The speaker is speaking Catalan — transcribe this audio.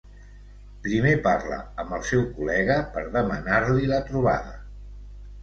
Primer parla amb el seu col·lega per demanar-li la trobada.